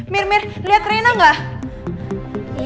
mir mir lihat rena nggak